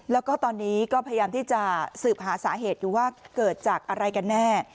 แล้วก็ตอนนี้ก็พยายามที่จะสืบหาสาเหตุอยู่ว่าเกิดจากอะไรกันแน่